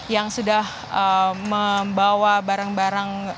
yang sudah membawa barang barang